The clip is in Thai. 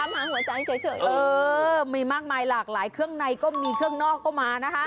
หาหัวใจเฉยเออมีมากมายหลากหลายเครื่องในก็มีเครื่องนอกก็มานะคะ